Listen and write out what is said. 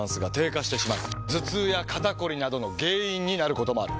頭痛や肩こりなどの原因になることもある。